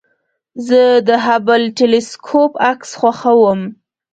زه د هبل ټېلسکوپ عکس خوښوم.